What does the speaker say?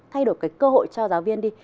thay đổi cái cơ hội cho giáo viên đi